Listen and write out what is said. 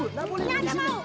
nggak boleh ibu di sini